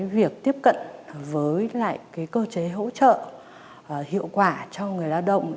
việc tiếp cận với lại cơ chế hỗ trợ hiệu quả cho người lao động